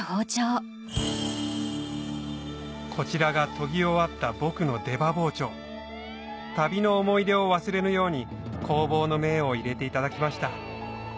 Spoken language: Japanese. こちらが研ぎ終わった僕の出刃包丁旅の思い出を忘れぬように工房の銘を入れていただきました